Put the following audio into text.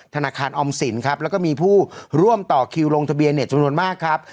ธนาคารออมสินครับแล้วก็มีผู้ร่วมต่อคิวลงทะเบียนเนี่ยจำนวนมากครับ